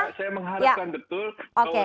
saya mengharapkan betul